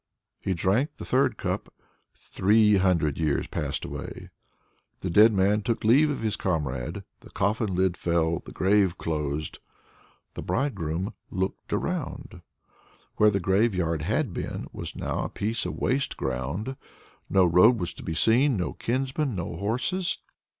He drank the third cup three hundred years passed away. The dead man took leave of his comrade. The coffin lid fell; the grave closed. The bridegroom looked around. Where the graveyard had been, was now a piece of waste ground. No road was to be seen, no kinsmen, no horses.